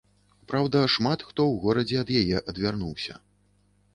Праўда, шмат хто ў горадзе ад яе адвярнуўся.